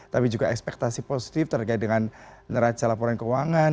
tapi juga ekspektasi positif terkait dengan neraca laporan keuangan